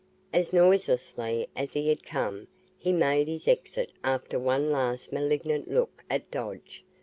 As noiselessly as he had come, he made his exit after one last malignant look at Dodge.